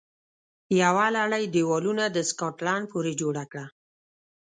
یوه لړۍ دېوالونه د سکاټلند پورې جوړه کړه